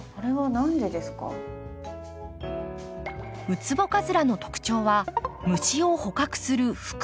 ウツボカズラの特徴は虫を捕獲する袋。